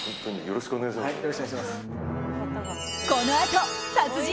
よろしくお願いします。